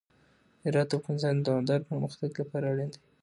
هرات د افغانستان د دوامداره پرمختګ لپاره اړین دی.